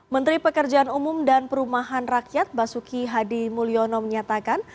menteri pekerjaan umum dan perumahan rakyat basuki hadi mulyono menyatakan